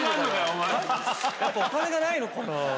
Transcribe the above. お金がないのかな。